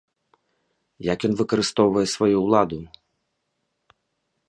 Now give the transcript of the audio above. Як ён выкарыстоўвае сваю ўладу?